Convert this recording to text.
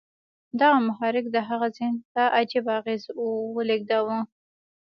دغه محرک د هغه ذهن ته عجيبه اغېز ولېږداوه.